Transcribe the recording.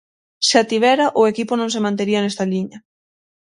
Se a tivera o equipo non se mantería nesta liña.